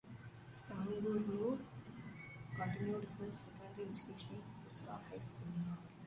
Sungurlu continued his secondary education in Bursa High School.